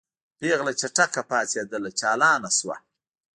پېغله چټک پاڅېدله چالانه شوه.